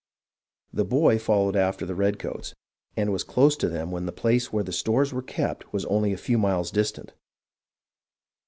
"The boy" followed after the redcoats, and was close to them when the place where the stores were kept was only a few miles distant.